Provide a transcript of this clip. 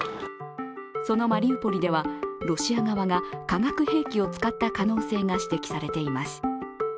そのマリウポリではロシア側が化学兵器を使った可能性が指摘されています。